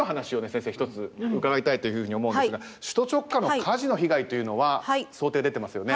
先生一つ伺いたいというふうに思うんですが首都直下の火事の被害というのは想定出てますよね。